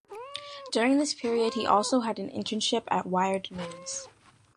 During this period he also had an internship at Wired News.